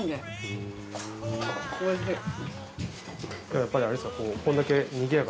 やっぱりあれですか？